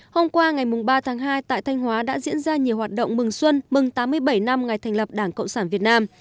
hôm qua ngày ba tháng hai tại thanh hóa đã diễn ra nhiều hoạt động mừng xuân mừng tám mươi bảy năm ngày thành lập đảng cộng sản việt nam